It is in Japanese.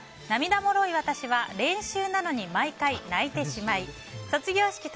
涙もろい私は練習なのに毎回泣いてしまい卒業式